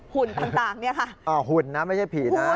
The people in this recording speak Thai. หุ่นต่างเนี่ยค่ะหุ่นนะไม่ใช่ผีนะ